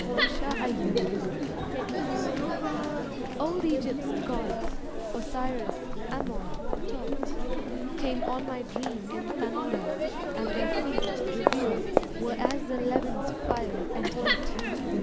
\|^^ THE RETRIBUTION Old Egypt's gods, Osiris, Ammon, Thoth, Came on my dream in thunder, and their feet Revealed were as the levin's fire and heat.